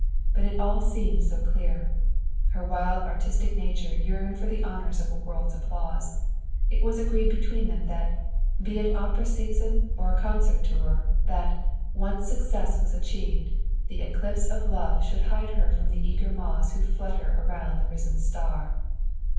But it all seemed so clear. Her wild artist nature yearned for the honors of a world's applause; it was agreed between them that, be it opera season or concert tour, that, once success was achieved, the eclipse of Love should hide her from the eager moths who flutter around the risen star.